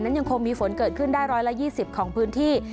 นั้นยังคงมีฝนเกิดขึ้นได้ร้อยละ๒๐ของพื้นที่